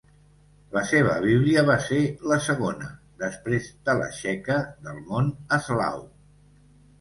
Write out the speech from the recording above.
La seva Bíblia va ser la segona, després de la txeca, del món eslau.